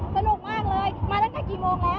สนุกมากเลยมาตั้งแต่กี่โมงแล้ว